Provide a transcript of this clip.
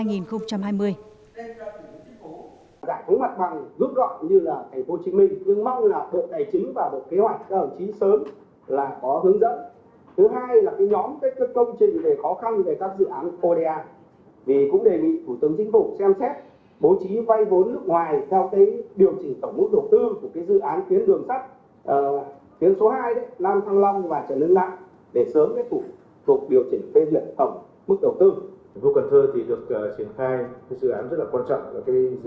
giải phóng mặt bằng rút gọn như là thành phố chính minh nhưng mong là bộ đại chính và bộ kế hoạch